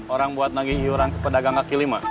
orang buat nagih hiyuran ke pedagang kaki lima